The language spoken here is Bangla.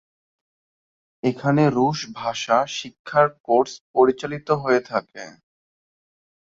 এখানে রুশ ভাষা শিক্ষার কোর্স পরিচালিত হয়ে থাকে।